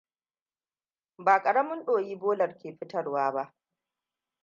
Ba ƙaramin ɗoyi bolar ke fitarwa ba.